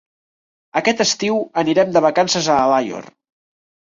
Aquest estiu anirem de vacances a Alaior.